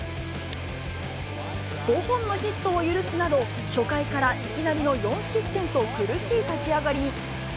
５本のヒットを許すなど、初回からいきなりの４失点と苦しい立ち上がりに。